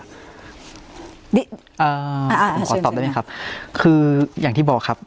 ขอตอบได้ไหมครับคืออย่างที่บอกครับ